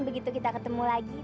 begitu kita ketemu lagi